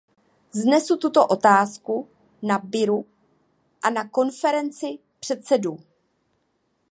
Vznesu tuto otázku na byru a na konferenci předsedů.